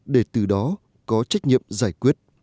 để từ đó có trách nhiệm giải quyết